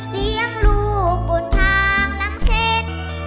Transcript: เลี้ยงลูกปุ่นทางหลังเช่น